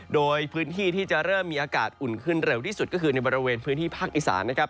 โดยพื้นที่ที่จะเริ่มมีอากาศอุ่นขึ้นเร็วที่สุดก็คือในบริเวณพื้นที่ภาคอีสานนะครับ